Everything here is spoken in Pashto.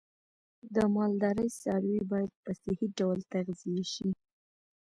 د مالدارۍ څاروی باید په صحی ډول تغذیه شي.